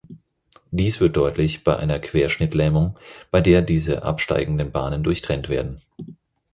Dies wird deutlich bei einer Querschnittlähmung, bei der diese absteigenden Bahnen durchtrennt werden.